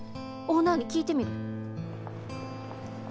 オーナーに聞いてみる。